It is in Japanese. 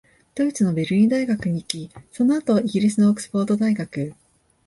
ドイツのベルリン大学に行き、その後、イギリスのオックスフォード大学、